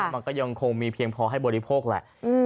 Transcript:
มันก็ยังคงมีเพียงพอให้บริโภคแหละ